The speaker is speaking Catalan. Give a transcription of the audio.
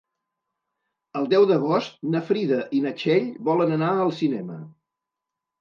El deu d'agost na Frida i na Txell volen anar al cinema.